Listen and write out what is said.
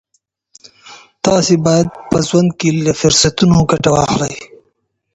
تاسي باید په ژوند کي له فرصتونو ګټه واخلئ.